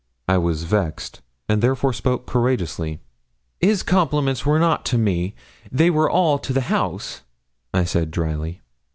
I was vexed, and therefore spoke courageously. 'His compliments were not to me; they were all to the house,' I said, drily.